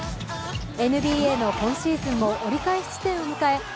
ＮＢＡの今シーズンも折り返し地点を迎え